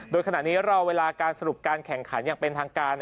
โดยขณะนี้รอเวลาการสรุปการแข่งขันอย่างเป็นทางการ